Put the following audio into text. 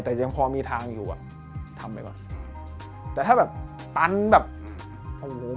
แต่ยังพอมีทางอยู่อ่ะทำไปว่ะแต่ถ้าแบบตันแบบผมรู้